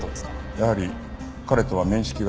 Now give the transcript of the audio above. やはり彼とは面識があったんですね。